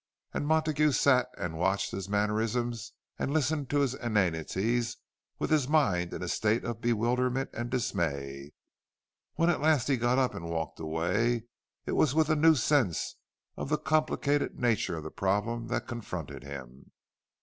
And Montague sat, and watched his mannerisms and listened to his inanities, with his mind in a state of bewilderment and dismay. When at last he got up and walked away, it was with a new sense of the complicated nature of the problem that confronted him.